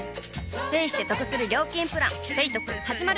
ペイしてトクする料金プラン「ペイトク」始まる！